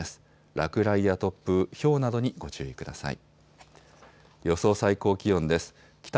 落雷や突風、ひょうなどにご注意ください。